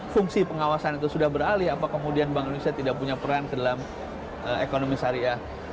fungsi pengawasan itu sudah beralih apa kemudian bank indonesia tidak punya peran ke dalam ekonomi syariah